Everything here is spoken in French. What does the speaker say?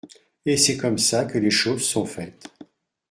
Et c’est comme ça que les choses sont faites.